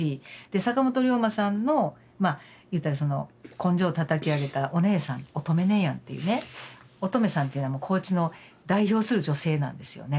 坂本龍馬さんのまあいうたらその根性たたき上げたお姉さんおとめねえやんっていうねおとめさんっていうのは高知の代表する女性なんですよね。